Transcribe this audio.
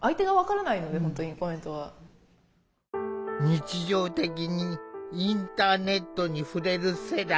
日常的にインターネットに触れる世代。